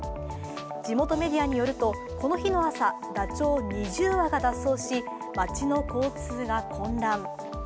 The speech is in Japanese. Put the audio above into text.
地元メディアによるとこの日の朝、ダチョウ２０羽が脱走し、町の交通が混乱。